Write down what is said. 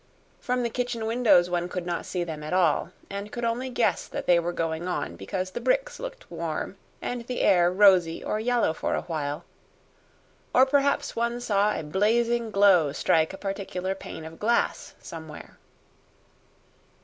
From the kitchen windows one could not see them at all, and could only guess that they were going on because the bricks looked warm and the air rosy or yellow for a while, or perhaps one saw a blazing glow strike a particular pane of glass somewhere.